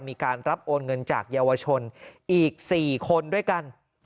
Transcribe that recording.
มีการรับโอนเงินจากเยาวชนอีก๔คนด้วยกัน